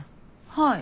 はい。